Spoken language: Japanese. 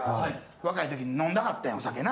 若い時に飲んではってんお酒な。